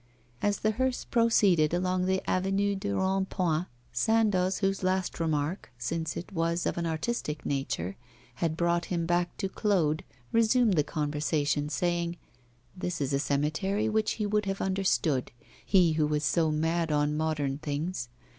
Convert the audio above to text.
As the hearse proceeded along the Avenue du Rond Point, Sandoz, whose last remark since it was of an artistic nature had brought him back to Claude, resumed the conversation, saying: 'This is a cemetery which he would have understood, he who was so mad on modern things.